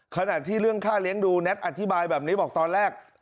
ขณะที่เรื่องค่าเลี้ยงดูแท็ตอธิบายแบบนี้บอกตอนแรก